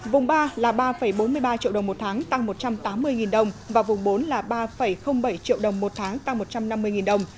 vùng ba là ba bốn mươi ba triệu đồng một tháng tăng một trăm tám mươi đồng và vùng bốn là ba bảy triệu đồng một tháng tăng một trăm năm mươi đồng